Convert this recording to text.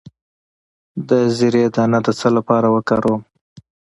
د زیرې دانه د څه لپاره وکاروم؟